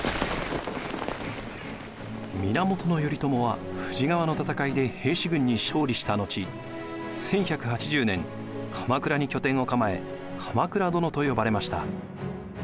源頼朝は富士川の戦いで平氏軍に勝利した後１１８０年鎌倉に拠点を構え鎌倉殿と呼ばれました。